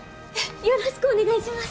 よろしくお願いします！